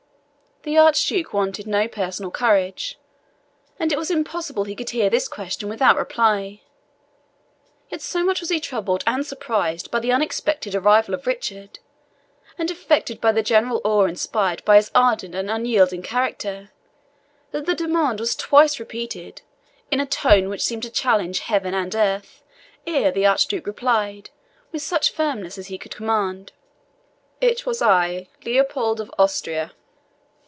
The Archduke wanted not personal courage, and it was impossible he could hear this question without reply. Yet so much was he troubled and surprised by the unexpected arrival of Richard, and affected by the general awe inspired by his ardent and unyielding character, that the demand was twice repeated, in a tone which seemed to challenge heaven and earth, ere the Archduke replied, with such firmness as he could command, "It was I, Leopold of Austria."